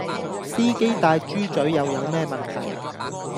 司機戴豬嘴又有咩問題?